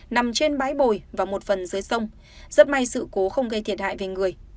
nằm trên bãi bồi và một phần dưới sông rất may sự cố không gây thiệt hại về người